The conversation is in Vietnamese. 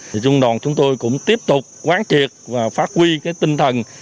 thì trung đoàn chúng tôi cũng tiếp tục quán triệt và phát huy cái tinh thần